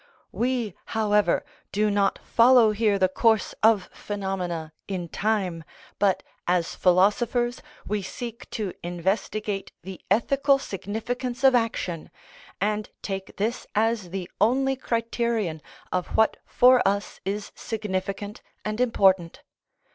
We, however, do not follow here the course of phenomena in time, but, as philosophers, we seek to investigate the ethical significance of action, and take this as the only criterion of what for us is significant and important.